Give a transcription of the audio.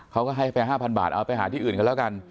เขาก็ให้ไป๕๐๐บาทเอาไปหาที่อื่นกันแล้วกัน